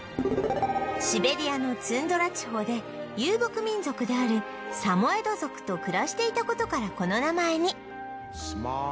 シベリアのツンドラ地方で遊牧民族であるサモエド族と暮らしていた事からこの名前に